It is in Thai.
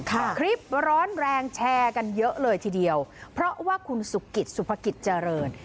คักคลิปร้อนแรงแชร์กันเยอะเลยทีเดียวเพราะว่าคุณสุภรรคิตจริง